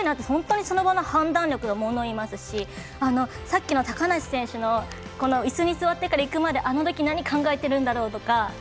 本当にその場の判断力がものを言いますしさっきの高梨選手のいすに座ってからいくまで、あのとき何を考えてるんだろうとか。